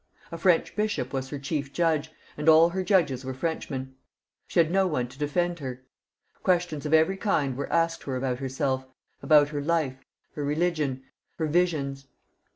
A French bishop was her chief judge, and all her judges were Frenchmen. She had no one to defend her ; questions of every kind were asked her about herself, about her life, her religion, her visions.